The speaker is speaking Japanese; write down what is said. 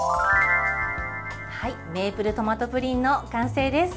メープルトマトプリンの完成です。